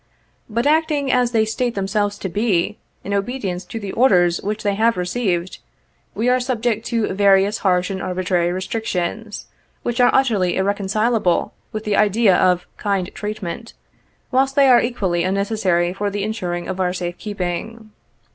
But acting as they state themselves to be, in obedience to the orders which they have received, we are subject to various harsh and arbitrary restrictions, which are utterly irreconcilable with the idea of ' kind treatment,' whilst they are equally unnecessary for the ensuring of our safe keeping.